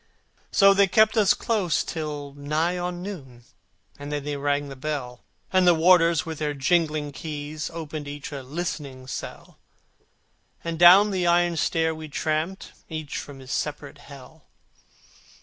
So they kept us close till nigh on noon, And then they rang the bell, And the warders with their jingling keys Opened each listening cell, And down the iron stair we tramped, Each from his separate Hell.